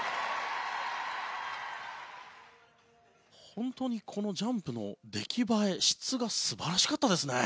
本当にジャンプの出来栄え質が素晴らしかったですね。